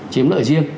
chiếm lợi riêng